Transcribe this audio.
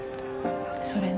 それね。